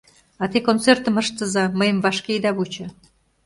А те концертым ыштыза, мыйым вашке ида вучо...